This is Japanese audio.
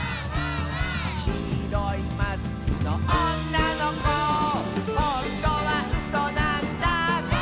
「きいろいマスクのおんなのこ」「ほんとはうそなんだ」